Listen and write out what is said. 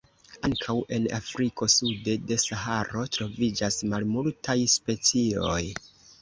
Ankaŭ en Afriko sude de Saharo troviĝas malmultaj specioj.